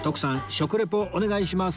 食リポお願いします